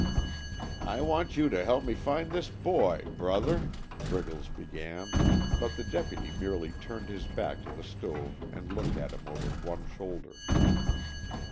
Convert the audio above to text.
"I want you to help me find this boy, Brother " Briggles began, but the deputy merely turned his back to the stove and looked at him over one shoulder.